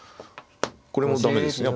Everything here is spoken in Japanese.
これも駄目ですね